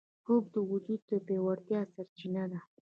خوب د وجود د پیاوړتیا سرچینه ده